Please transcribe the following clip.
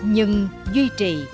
nhưng duy trì